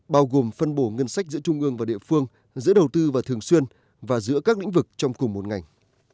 bao gồm phân bổ ngân sách giữa trung ương và địa phương giữa đầu tư và thường xuyên và giữa các lĩnh vực trong cùng một ngành